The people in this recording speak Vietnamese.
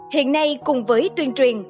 hiện nay cùng với tuyên truyền